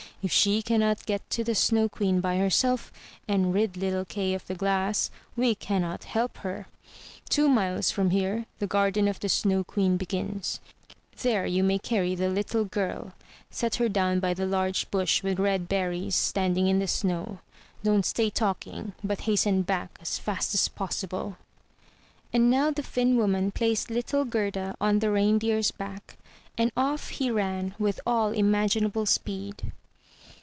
If she cannot get to the Snow Queen by herself, and rid little Kay of the glass, we cannot help her. Two miles from here the garden of the Snow Queen begins; there you may carry the little girl. Set her down by the large bush with red berries, standing in the snow. Don't stay talk ing, but hasten back as fast as possible.'* And now the Finn woman placed little Gerda on the Reindeer's back, and off he ran with all imaginable speed.